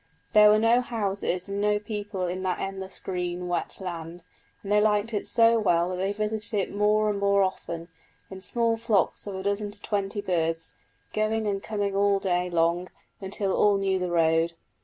There were no houses and no people in that endless green, wet land, and they liked it so well that they visited it more and more often, in small flocks of a dozen to twenty birds, going and coming all day long, until all knew the road.